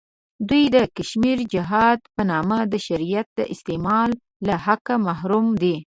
دوی د کشمیري جهاد په نامه د شریعت د استعمال له حقه محروم دی.